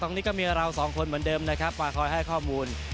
ตรงนี้ก็มีเราสองคนเหมือนเดิมนะครับมาคอยให้ข้อมูล